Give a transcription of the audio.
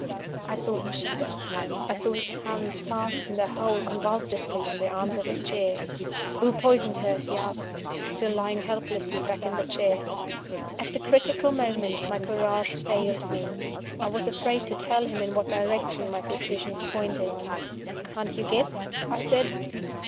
I saw him shudder. I saw his hands fasten their hold convulsively on the arms of his chair. "Who poisoned her?" he asked, still lying helplessly back in the chair. At the critical moment my courage failed me. I was afraid to tell him in what direction my suspicions pointed. "Can't you guess?" I said.